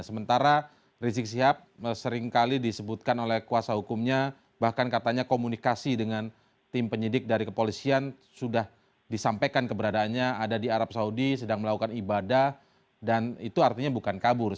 sementara rizik sihab seringkali disebutkan oleh kuasa hukumnya bahkan katanya komunikasi dengan tim penyidik dari kepolisian sudah disampaikan keberadaannya ada di arab saudi sedang melakukan ibadah dan itu artinya bukan kabur